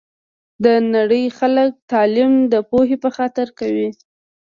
د نړۍ خلګ تعلیم د پوهي په خاطر کوي